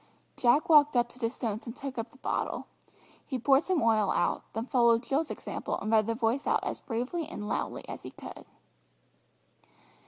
Jack walked up to the stones and took up the bottle. He poured some oil out, then followed Jill's example and read the verse out as bravely and loudly as he could.